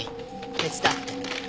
手伝って。